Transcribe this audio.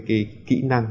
cái kỹ năng